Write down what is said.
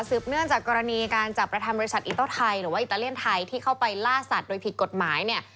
เนื่องจากกรณีการจับประธานบริษัทอิโต้ไทยหรือว่าอิตาเลียนไทยที่เข้าไปล่าสัตว์โดยผิดกฎหมายเนี่ย